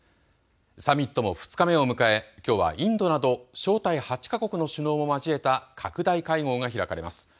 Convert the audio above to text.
サミットも２日目を迎えきょうはインドなど招待８か国の首脳を交えた拡大会合が開かれます。